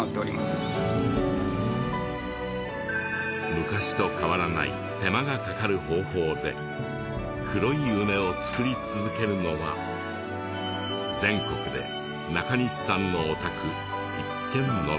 昔と変わらない手間がかかる方法で黒い梅を作り続けるのは全国で中西さんのお宅１軒のみ。